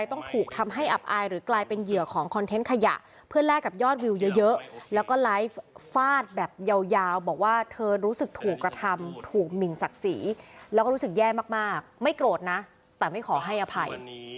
ถูกหมิ่นศักดิ์ศรีแล้วก็รู้สึกแย่มากไม่โกรธนะแต่ไม่ขอให้อภัย